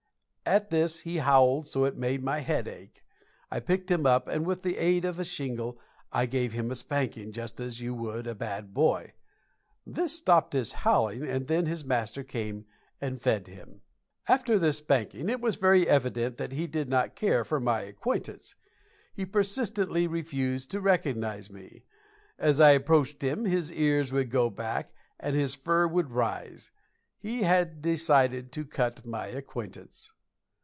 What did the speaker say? At this he howled so it made my head ache. I picked him up, and with the aid of a shingle, I gave him a spanking, just as you would a bad boy. This stopped his howling, and then his master came and fed him. After this spanking it was very evident that he did not care for my acquaintance. He persistently refused to recognize me. As I approached him his ears would go back, and his fur would rise. He had decided to cut my acquaintance.